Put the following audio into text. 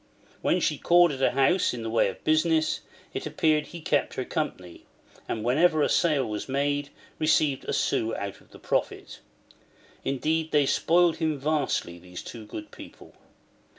When she called at a house in the way of business, it appeared he kept her company; and whenever a sale was made, received a sou out of the profit. Indeed they spoiled him vastly, these two good people.